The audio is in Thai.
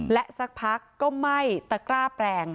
และสักพักก็ไหม้ตะกร้าแปลง